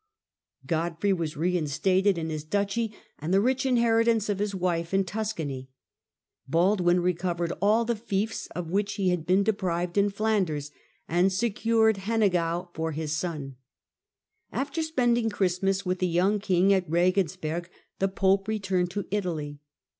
Godfrey was reinstated in Digitized by VjOOQIC 42 HlL DEBRAND his duchy and the rich inheritance of his wife iu Tuscany ; Baldwin recovered all the fiefe of which he had been deprived in Flanders, and secured Hennegan for his son. After spending Christmas with the young king at Regensberg the pope returned to Italy.